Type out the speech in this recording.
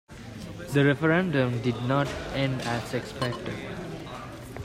The referendum did not end as expected.